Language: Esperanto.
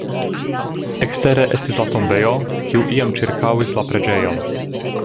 Ekstere estis la tombejo, kiu iam ĉirkaŭis la preĝejon.